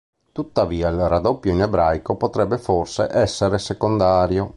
Tuttavia, il raddoppio in ebraico potrebbe forse essere secondario.